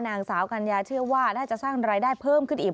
นางสาวกัญญาเชื่อว่าน่าจะสร้างรายได้เพิ่มขึ้นอีก